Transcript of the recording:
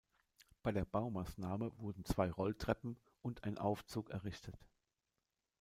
Bei der Baumaßnahme wurden zwei Rolltreppen und ein Aufzug errichtet.